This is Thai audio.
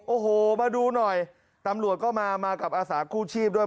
โอ้โหมาดูหน่อยตำรวจก็มามากับอาสากู้ชีพด้วย